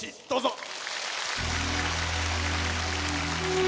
どうぞ。